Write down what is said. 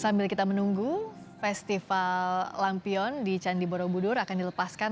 sambil kita menunggu festival lampion di candi borobudur akan dilepaskan